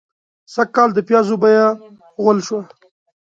سږکال د پيازو بيه غول شوه.